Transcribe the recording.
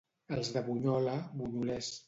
Els de Bunyola, bunyolers.